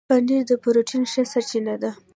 پنېر د پروټين ښه سرچینه ده.